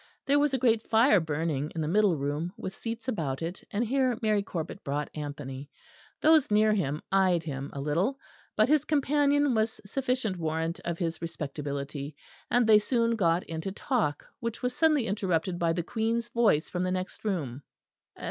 There was a great fire burning in the middle room, with seats about it, and here Mary Corbet brought Anthony. Those near him eyed him a little; but his companion was sufficient warrant of his respectability; and they soon got into talk, which was suddenly interrupted by the Queen's voice from the next room.